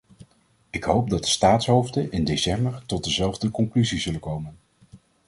Ik hoop dat de staatshoofden in december tot dezelfde conclusie zullen komen.